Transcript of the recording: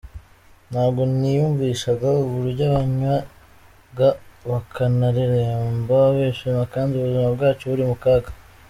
Ntabwo niyumvishaga uburyo banywaga bakanaririmba bishima kandi ubuzima bwacu buri mu kaga.